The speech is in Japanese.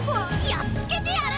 やっつけてやる！